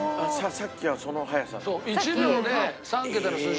さっきはその速さ？